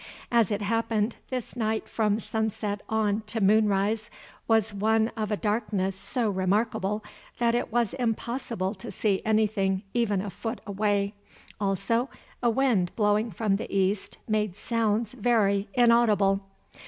As it happened, this night from sunset on to moonrise was one of a darkness so remarkable that it was impossible to see anything even a foot away, also a wind blowing from the east made sounds very inaudible.